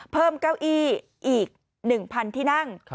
เพิ่มเก้าอี้อีก๑๐๐๐ที่นั่ง